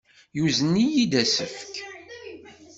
Yuzen-iyi-d asefk.